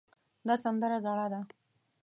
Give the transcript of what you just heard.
دا سندره زړه ده